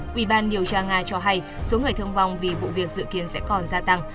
quỹ ban điều tra nga cho hay số người thương vong vì vụ việc dự kiến sẽ còn gia tăng